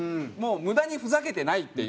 無駄にふざけてないっていう。